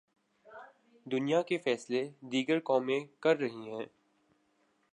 دنیا کے فیصلے دیگر قومیں کررہی ہیں۔